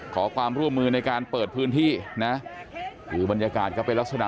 ขอความร่วมมือในการเปิดพื้นที่นะคือบรรยากาศก็เป็นลักษณะ